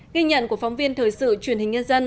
ghi nhận của phóng viên thời sự truyền hình nhân dân